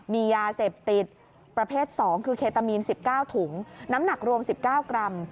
มียาเสพติดประเภท๒คือเคตามีน๑๙ถุงน้ำหนักรวม๑๙กรัม